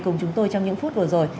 cùng chúng tôi trong những phút vừa rồi